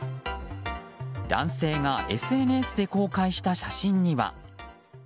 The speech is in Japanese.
男性がＳＮＳで公開した写真には。